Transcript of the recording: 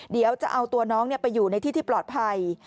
เดี๋ยวจะเอาตัวน้องไปอยู่ในที่ที่ปลอดภัย